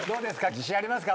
自信ありますか？